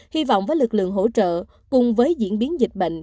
hy vọng với lực lượng hỗ trợ cùng với diễn biến dịch bệnh